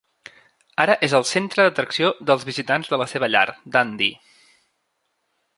Ara és el centre d'atracció dels visitants de la seva llar, Dundee.